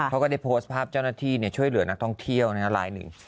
ก็ได้โพสต์ภาพเจ้าหน้าที่ช่วยเหลือนักท่องเที่ยวลายหนึ่ง